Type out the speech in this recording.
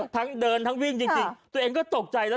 ทั้งเดินทั้งวิ่งจริงตัวเองก็ตกใจแล้ว